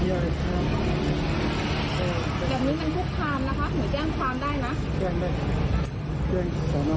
แบบนี้มันพุกคามนะคะเหมือนแก้งความได้นะ